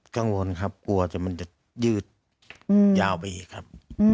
กังวลครับกลัวแต่มันจะยืดยาวไปอีกครับ